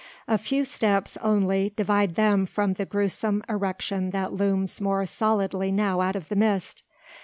A few steps only divide them from the gruesome erection that looms more solidly now out of the mist.